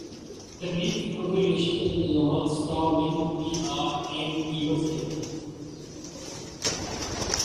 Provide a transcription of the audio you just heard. تقریب کی پبلک ریلشنزاورانتظامات Star Link P R and events کے تھے